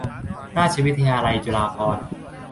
ราชวิทยาลัยจุฬาภรณ์